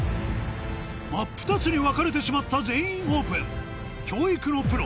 真っ二つに分かれてしまった「全員オープン」教育のプロ